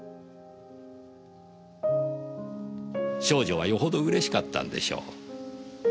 少女はよほどうれしかったんでしょう。